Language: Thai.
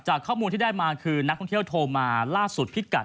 ข้อมูลที่ได้มาคือนักท่องเที่ยวโทรมาล่าสุดพิกัด